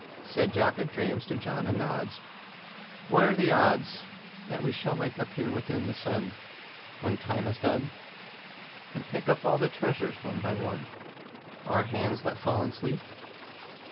Said Jock a dreams to John a nods, "What are the odds That we shall wake up here within the sun, When time is done, And pick up all the treasures one by one Our hands let fall in sleep?"